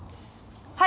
はい！